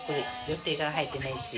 予定が入ってないし。